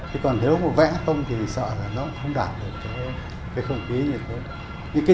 thế còn nếu mà vẽ không thì sợ là nó không đạt được cái không khí như thế